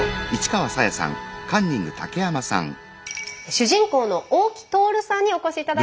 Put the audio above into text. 主人公の大木トオルさんにお越し頂きました。